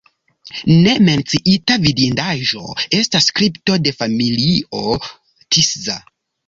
Ne menciita vidindaĵo estas kripto de familio Tisza.